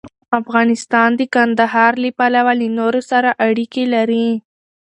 افغانستان د کندهار له پلوه له نورو سره اړیکې لري.